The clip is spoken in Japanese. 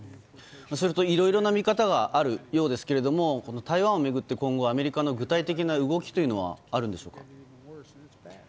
そうするといろいろな見方があるようですが台湾を巡って今後、アメリカの具体的な動きというのはあるんでしょうか？